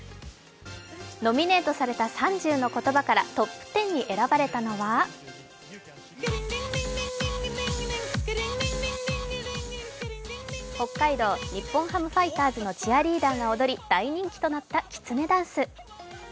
ノミネートされた３０の言葉からトップ１０に選ばれたのは北海道日本ハムファイターズのチアリーダーが踊り大人気となった、きつねダンス。